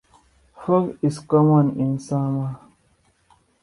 Fog is common in summer.